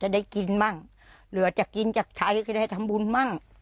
จะได้กินบ้างหรือจะกินจากไชยก็จะได้ทำบุญบ้าง